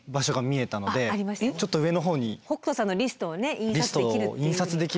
北斗さんのリストをね印刷できる。